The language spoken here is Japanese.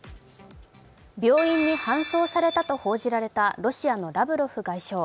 病院に搬送されたと報じられたロシアラブロフ外相。